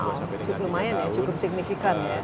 cukup lumayan ya cukup signifikan ya